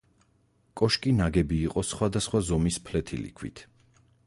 კოშკი ნაგები იყო სხვადასხვა ზომის ფლეთილი ქვით.